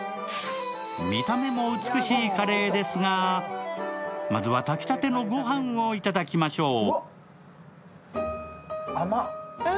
見た目も美しいカレーですがまずは炊きたてのごはんをいただきましょう。